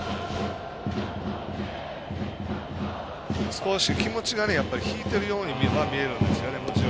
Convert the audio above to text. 少し、気持ちがやっぱり引いてるように見えるんですよね。